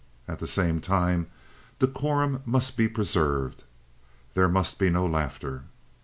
At the same time, decorum must be preserved; there must be no laughter.